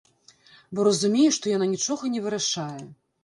Бо разумею, што яна нічога не вырашае.